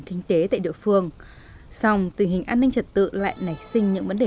kinh tế tại địa phương song tình hình an ninh trật tự lại nảy sinh những vấn đề